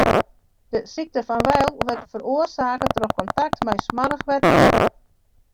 De sykte fan Weil wurdt feroarsake troch kontakt mei smoarch wetter.